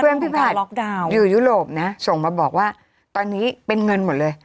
เพื่อนพี่ภัทรอยู่ยุโรปนะส่งมาบอกว่าตอนนี้เป็นเงินหมดเลย